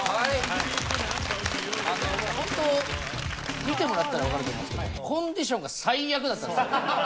もう本当見てもらったらわかると思うんですけどコンディションが最悪だったんですよ。